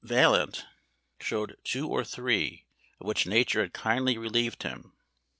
Vaillant showed two or three, of which nature had kindly relieved him.